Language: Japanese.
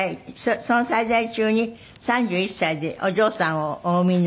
その滞在中に３１歳でお嬢さんをお産みになりました。